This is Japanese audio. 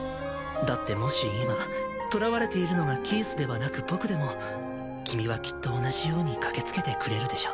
だってもし今捕らわれているのがキースではなく僕でも君はきっと同じように駆けつけてくれるでしょ。